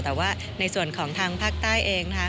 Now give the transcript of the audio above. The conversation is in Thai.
แต่ว่าในส่วนของทางภาคใต้เองนะคะ